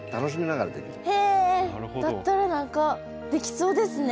だったら何かできそうですね